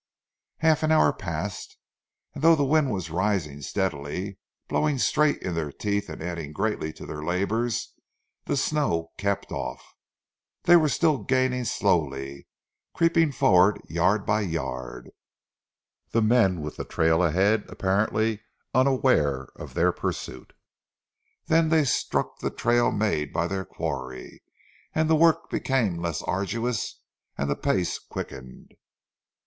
Half an hour passed, and though the wind was rising steadily, blowing straight in their teeth and adding greatly to their labours, the snow kept off. They were still gaining slowly, creeping forward yard by yard, the men with the train ahead apparently unaware of their pursuit. Then they struck the trail made by their quarry and the work became less arduous and the pace quickened.